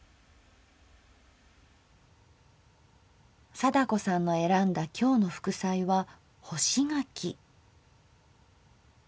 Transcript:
貞子さんの選んだ今日の副菜は干し柿。